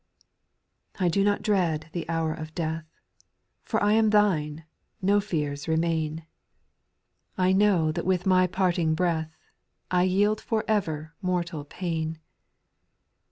2. I do not dread the hour of death, If I am Thine, no fears remain*^ . 818 SPIRITUAL SONGS. I know that with my parting breath I yield for ever mortal pain.